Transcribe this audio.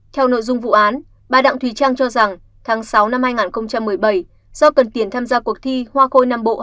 theo nội dung vụ án bà đặng thủy trang cho rằng tháng sáu năm hai nghìn một mươi bảy do cần tiền tham gia cuộc thi hoa khôi năm bộ hai nghìn một mươi bảy